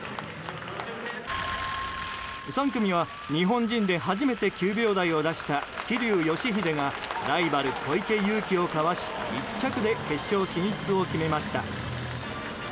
３組は、日本人で初めて９秒台を出した桐生祥秀がライバル、小池祐貴をかわし１着で決勝進出を決めました。